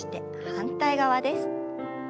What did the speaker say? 反対側です。